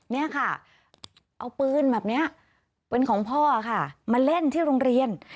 นี่ค่ะเอาปืนแบบนี้เป็นของพ่อค่ะมาเล่นที่โรงเรียน